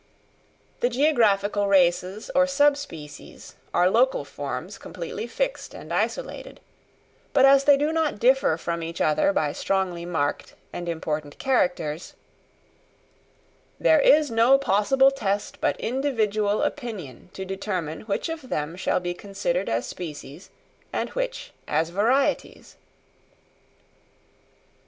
The geographical races or sub species are local forms completely fixed and isolated; but as they do not differ from each other by strongly marked and important characters, "There is no possible test but individual opinion to determine which of them shall be considered as species and which as varieties."